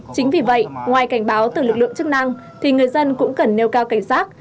chính vì vậy ngoài cảnh báo từ lực lượng chức năng thì người dân cũng cần nêu cao cảnh sát